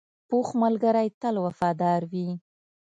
پوخ ملګری تل وفادار وي